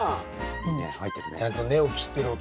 ちゃんと根を切ってる音聞こえるね。